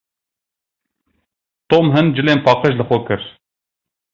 Tom hin cilên paqij li xwe kir.